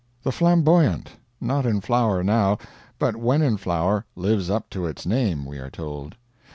The "flamboyant" not in flower, now, but when in flower lives up to its name, we are told.